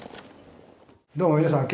どうも皆さん